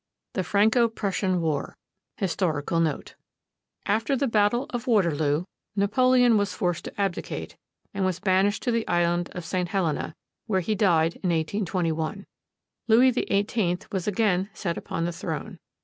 VIII THE FRANCO PRUSSIAN WAR HISTORICAL NOTE After the battle of Waterloo, Napoleon was forced to abdi cate, and was banished to the island of St. Helena, where he died in 1S21. Louis XVIII was again set upon the throne.